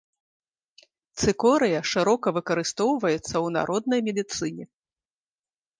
Цыкорыя шырока выкарыстоўваецца ў народнай медыцыне.